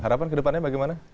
harapan ke depannya bagaimana